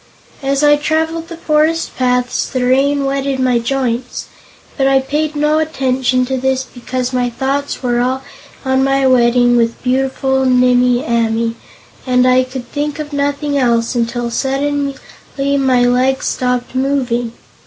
As I traveled the forest paths the rain wetted my joints, but I paid no attention to this because my thoughts were all on my wedding with beautiful Nimmie Amee and I could think of nothing else until suddenly my legs stopped moving.